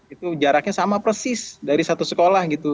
itu jaraknya sama persis dari satu sekolah gitu